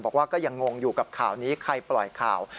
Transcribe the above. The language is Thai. ก็ยังงงอยู่กับข่าวนี้ใครปล่อยข่าว